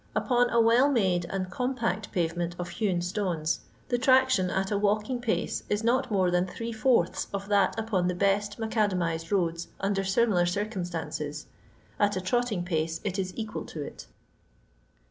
Upon a well made and compact pavement of hewn stones, the traction at a walking pace is not more than three fourths of that upon the best macadamized roads under similar circumstances; at a trotting pace it is equal to it.